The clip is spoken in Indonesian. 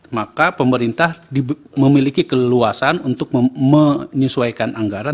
maka pemerintah memiliki keleluasan untuk menyesuaikan anggaran